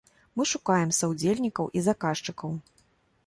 Мы шукаем саўдзельнікаў і заказчыкаў.